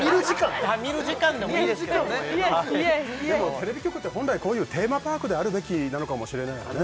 テレビ局って本来こういうテーマパークであるべきなのかもしれないよね